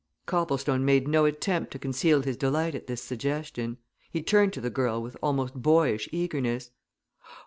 Copplestone made no attempt to conceal his delight at this suggestion. He turned to the girl with almost boyish eagerness.